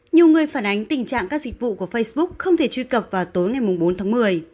nhiều người phản ánh tình trạng các dịch vụ của facebook không thể truy cập vào tối ngày bốn tháng một mươi